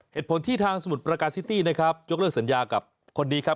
เหตุผลที่ทางสมุทรประการซิตี้นะครับยกเลิกสัญญากับคนนี้ครับ